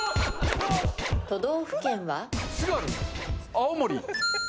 青森。